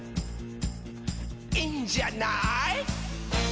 「いいんじゃない？」